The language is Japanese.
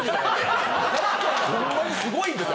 ホンマにすごいんですよ。